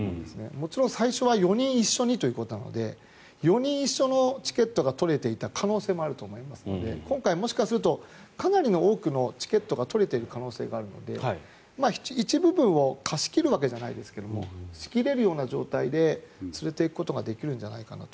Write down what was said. もちろん最初は４人一緒にということなので４人一緒のチケットが取れていた可能性もありますので今回もしかするとかなりの多くのチケットが取れている可能性があるので一部分を貸し切るわけじゃないですけども仕切れるような状態で連れて行くことができるんじゃないかなと。